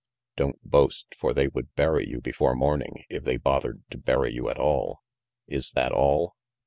"Don't boast, for they would bury you before morning, if they bothered to bury you at all. Is that all?"